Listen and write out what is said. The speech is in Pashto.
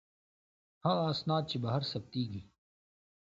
هغه اسناد چې بهر ثبتیږي.